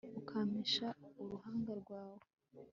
ukampisha uruhanga rwawe